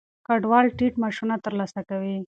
کډوال ټیټ معاشونه ترلاسه کوي.